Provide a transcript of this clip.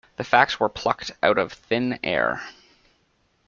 The facts were plucked out of thin air.